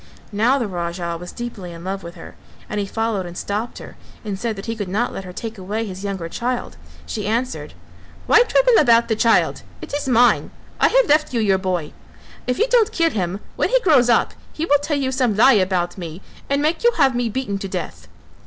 Now the Raja was deeply in love with her and he followed and stopped her, and said that he could not let her take away his younger child; she answered, "Why trouble about the child? it is mine; I have left you your boy, if you don't kill him, when he grows up, he will tell you some lie about me and make you have me beaten to death."